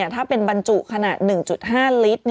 ถ้าเป็นบรรจุขนาด๑๕ลิตร